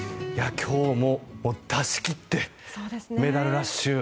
今日も出しきってメダルラッシュ。